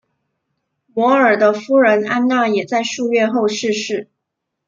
摩尔的夫人安娜也在数月后逝世。